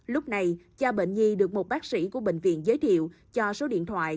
lúc này cha bệnh nhi được một bác sĩ của bệnh viện giới thiệu cho số điện thoại